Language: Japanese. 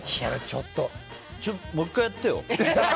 ちょっと、もう１回やってよ。